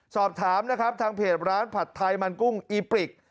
สอบถามนะครับทางเพจร้านผัดไทยมันกุ้งอีปริก